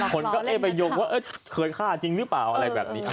คนก็เอ๊ะไปยงว่าเคยฆ่าจริงหรือเปล่าอะไรแบบนี้